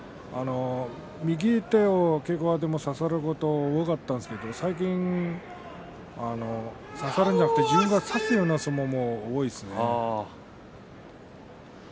右手を差されることが多かったんですけれど最近は差されなくて自分が差すような相撲が多いですよね。